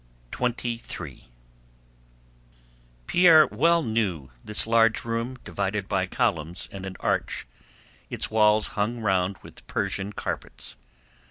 CHAPTER XXIII Pierre well knew this large room divided by columns and an arch, its walls hung round with Persian carpets.